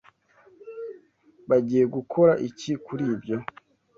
Bagiyegukora iki kuri ibyo?